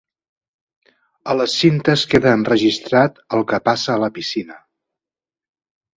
A les cintes queda enregistrat el que passa a la piscina.